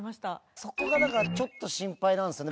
そこが、だからちょっと心配なんですよね。